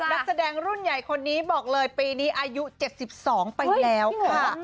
นักแสดงรุ่นใหญ่คนนี้บอกเลยปีนี้อายุ๗๒ไปแล้วค่ะ